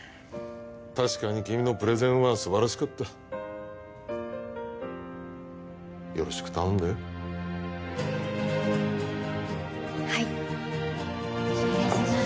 確かに君のプレゼンは素晴らしかったよろしく頼んだよはいお願いします